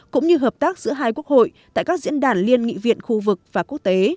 cũng như hợp tác giữa hai quốc hội tại các diễn đàn liên nghị viện khu vực và quốc tế